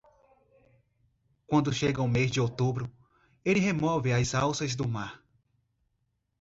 Quando chega o mês de outubro, ele remove as alças do mar.